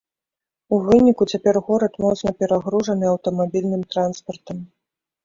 У выніку, цяпер горад моцна перагружаны аўтамабільным транспартам.